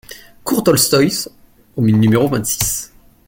Cours Tolstoï au numéro vingt-six